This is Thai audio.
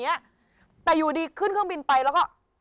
เนี้ยแต่อยู่ดีขึ้นเครื่องบินไปแล้วก็